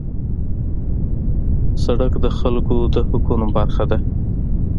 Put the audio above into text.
سړک د خلکو د حقونو برخه ده.